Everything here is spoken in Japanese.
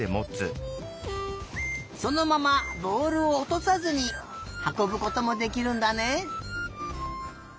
そのままぼおるをおとさずにはこぶこともできるんだね。